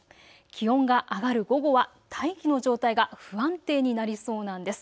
気温が上がる午後は大気の状態が不安定になりそうなんです。